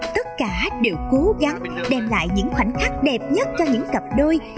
tất cả đều cố gắng đem lại những khoảnh khắc đẹp nhất cho những cặp đôi